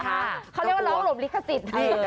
เขาเรียกว่าร้องหล่มลิขสิทธิ์